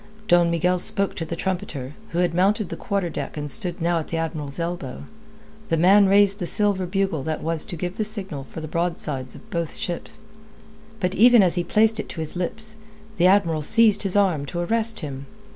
Don Miguel spoke to the trumpeter, who had mounted the quarter deck and stood now at the Admiral's elbow. The man raised the silver bugle that was to give the signal for the broadsides of both ships. But even as he placed it to his lips, the Admiral seized his arm, to arrest him.